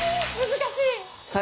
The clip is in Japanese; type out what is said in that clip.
難しい！